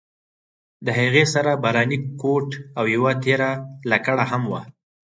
د هغې سره باراني کوټ او یوه تېره لکړه هم وه.